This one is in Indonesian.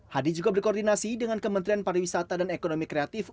hadi juga berkoordinasi dengan kementerian pariwisata dan ekonomi kreatif